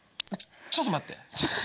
ちょっと待って。